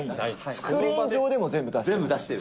スクリーン上でも全部出してる。